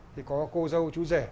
thì có cô dâu chú rể